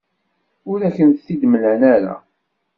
Ur akent-t-id-mlan ara.